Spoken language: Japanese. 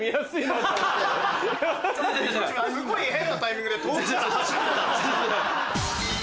すごい。